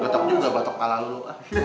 gatok juga batok kepala lo